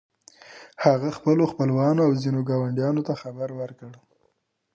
هغه خپلو خپلوانو او ځينو ګاونډيانو ته خبر ورکړ.